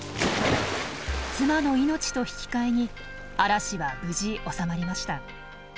妻の命と引き換えに嵐は無事収まりました。